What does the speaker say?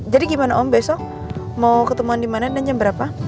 jadi gimana om besok mau ketemuan dimana dan jam berapa